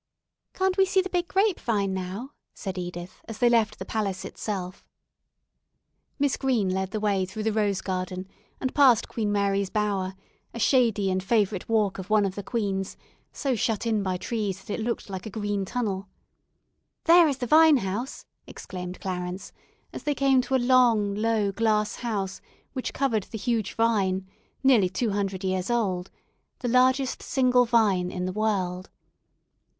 "Can't we see the big grape vine now?" said Edith, as they left the palace itself. Miss Green led the way through the rose garden, and past Queen Mary's Bower, a shady and favourite walk of one of the queens, so shut in by trees that it looked like a green tunnel. "There is the vine house," exclaimed Clarence, as they came to a long, low, glass house which covered the huge vine, nearly two hundred years old, the largest single vine in the world.